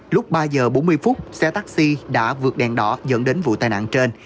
lúc ba giờ bốn mươi phút xe taxi đã vượt đèn đỏ dẫn đến vụ tai nạn trên